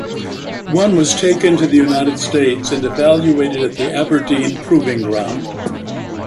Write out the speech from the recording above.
One was taken to the United States and evaluated at the Aberdeen Proving Ground.